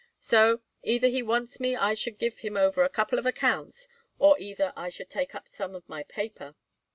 So, either he wants me I should give him over a couple of accounts, or either I should take up some of my paper.